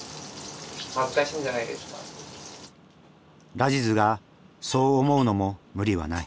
ラジズがそう思うのも無理はない。